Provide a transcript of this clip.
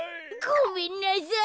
ごめんなさい。